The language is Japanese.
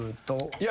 いや。